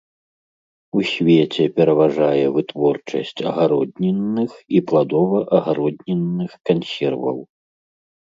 У свеце пераважае вытворчасць агароднінных і пладова-агароднінных кансерваў.